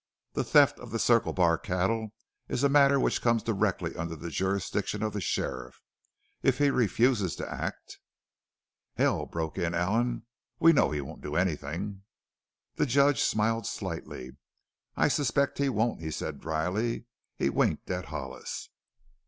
The theft of the Circle Bar cattle is a matter which comes directly under the jurisdiction of the sheriff. If he refuses to act " "Hell!" broke in Allen. "We know he won't do anything!" The Judge smiled slightly. "I suspect he won't," he said dryly. He winked at Hollis.